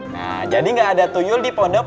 nah jadi gak ada tuyul di pondok